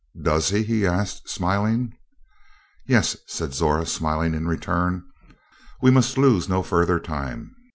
"Does he?" he asked, smiling. "Yes," said Zora, smiling in turn. "We must lose no further time."